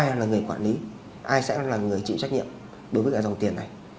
đi về đâu ai là người quản lý ai sẽ là người chịu trách nhiệm đối với cái dòng tiền này